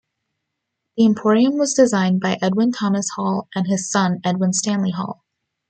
The emporium was designed by Edwin Thomas Hall and his son, Edwin Stanley Hall.